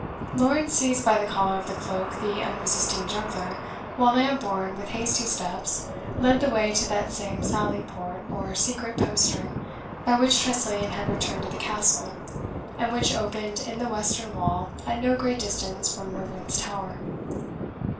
Lawrence seized by the collar of the cloak the unresisting juggler; while Lambourne, with hasty steps, led the way to that same sallyport, or secret postern, by which Tressilian had returned to the Castle, and which opened in the western wall at no great distance from Mervyn's Tower.